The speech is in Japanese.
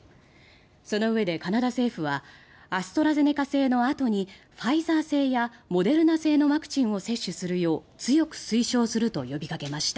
そのうえでカナダ政府はアストラゼネカ製のあとにファイザー製やモデルナ製のワクチンを接種するよう強く推奨すると呼びかけました。